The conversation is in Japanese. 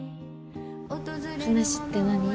話って何？